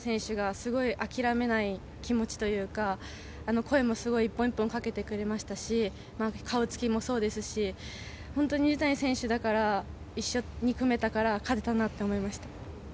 水谷選手が諦めない気持ちというか声も１本１本かけてくれましたし顔つきもそうですし本当に水谷選手と一緒に組めたから勝てたと思います。